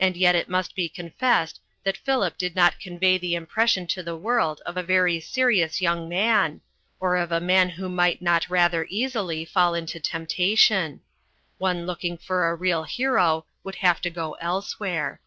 And yet it must be confessed that Philip did not convey the impression to the world of a very serious young man, or of a man who might not rather easily fall into temptation. One looking for a real hero would have to go elsewhere.